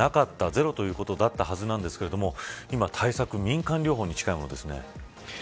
ゼロということだったはずなんですが今、対策は民間療法に近いものですね。